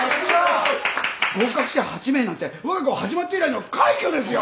合格者８名なんてわが校始まって以来の快挙ですよ。